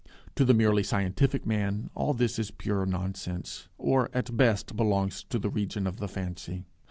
To the merely scientific man all this is pure nonsense, or at best belongs to the region of the fancy.